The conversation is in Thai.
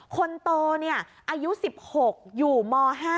คนโตอายุ๑๖อยู่ม๕